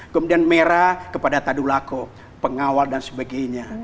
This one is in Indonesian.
kemudian merah kepada tadu lako pengawal dan sebagainya